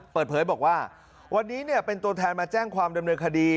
เปิดเผยบอกว่าวันนี้เป็นตัวแทนมาแจ้งความดำเนินคดี